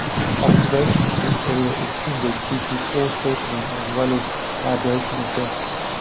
Observation of this area is hindered due to foreshortening, as well as libration effects.